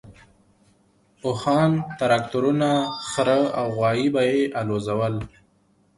اوښان، تراکتورونه، خره او غوایي به یې الوزول.